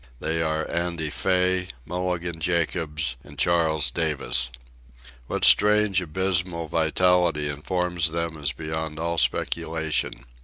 They are Andy Fay, Mulligan Jacobs, and Charles Davis. What strange, abysmal vitality informs them is beyond all speculation.